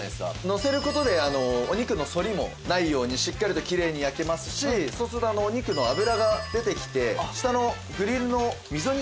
のせる事でお肉の反りもないようにしっかりときれいに焼けますしそうするとお肉の脂が出てきて下のグリルの溝にたまっていくんですよね。